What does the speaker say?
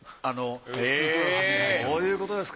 へっそういうことですか。